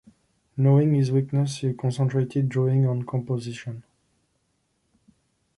Knowing his weaknesses, he concentrated drawing and composition.